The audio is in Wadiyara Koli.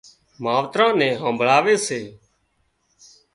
ماوتران نين همڀۯاوي سي